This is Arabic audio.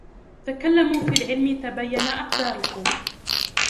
تَكَلَّمُوا فِى الْعِلْمِ تَبَیَّنَ أَقْدارُكُمْ.